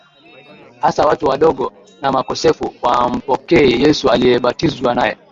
hasa watu wadogo na makosefu wampokee Yesu aliyebatizwa naye